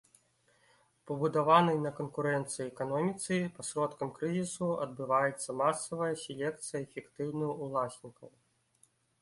У пабудаванай на канкурэнцыі эканоміцы пасродкам крызісу адбываецца масавая селекцыя эфектыўных уласнікаў.